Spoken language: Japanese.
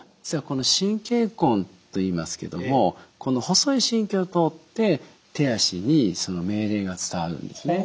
神経根といいますけどもこの細い神経を通って手足に命令が伝わるんですね。